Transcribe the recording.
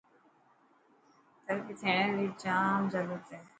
ترقي ٿيڻ ري جام ضرورت هي.